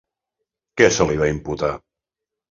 Què se li va imputar?